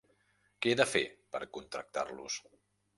Que he de fer per contractar-los?